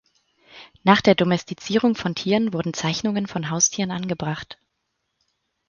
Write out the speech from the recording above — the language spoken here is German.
Nach der Domestizierung von Tieren wurden Zeichnungen von Haustieren angebracht.